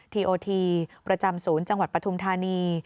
ทีโอทีประจำศูนย์จังหวัดปฐุมธานี